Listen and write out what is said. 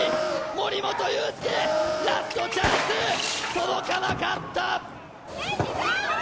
森本裕介ラストチャンス届かなかった！